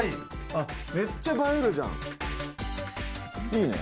めっちゃ映えるじゃん。いいね。